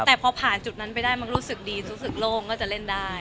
แต่พอผ่านจุดนั้นไปได้มันรู้สึกดีรู้สึกโล่งก็จะเล่นได้